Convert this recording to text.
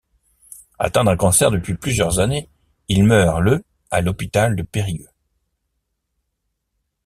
Atteint d'un cancer depuis plusieurs années, il meurt le à l'hôpital de Périgueux.